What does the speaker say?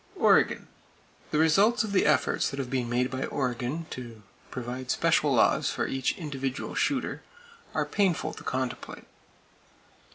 Oregon: The results of the efforts that have been made by Oregon to provide special laws for each individual shooter are painful to contemplate.